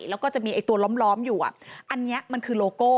แล้วก็จะมีไอ้ตัวล้อมอยู่อันนี้มันคือโลโก้